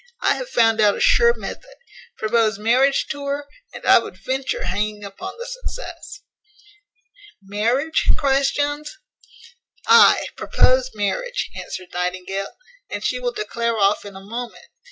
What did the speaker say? I have found out a sure method; propose marriage to her, and I would venture hanging upon the success." "Marriage?" cries Jones. "Ay, propose marriage," answered Nightingale, "and she will declare off in a moment.